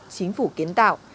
chính phủ kiến tạo